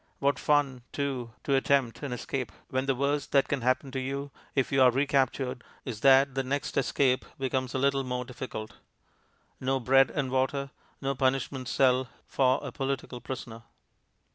What fun, too, to attempt an escape, when the worst that can happen to you, if you are recaptured, is that the next escape becomes a little more difficult. No bread and water, no punishment cell for a political prisoner.